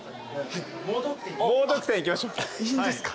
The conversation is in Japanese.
いいんですか？